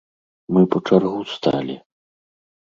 Мы б у чаргу сталі.